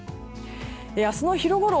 明日の昼ごろ